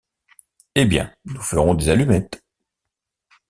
Eh bien, nous ferons des allumettes